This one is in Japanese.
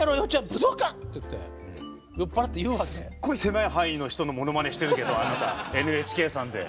すっごい狭い範囲の人のものまねしてるけどあなたＮＨＫさんで。